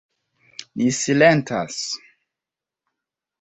Ni silentas.